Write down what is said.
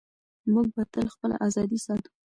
موږ به تل خپله ازادي ساتو.